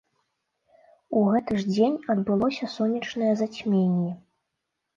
У гэты ж дзень адбылося сонечнае зацьменне.